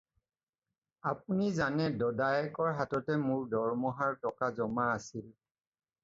আপুনি জানে দদায়েকৰ হাততে মোৰ দৰমহাৰ টকা জমা আছিল।